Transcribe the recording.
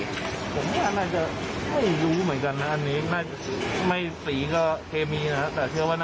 ผมว่าน่าจะไม่รู้เหมือนกันนะอันนี้ไม่สีก็เคมีนะครับ